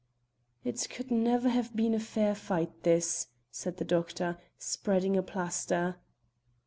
"It could never have been a fair fight this," said the doctor, spreading a plaster.